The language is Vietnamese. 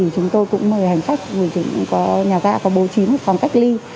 chúng tôi cũng mời hành khách nhà gia có bố trí một phòng cách ly